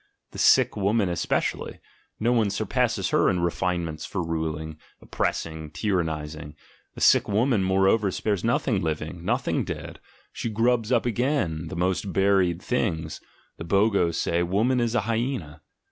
The sick woman especially: no one surpasses her in re finements for ruling, oppressing, tyrannising. The sick woman, moreover, spares nothing living, nothing dead; she grubs up again the most buried things (the Bogos say, "Woman is a hyena").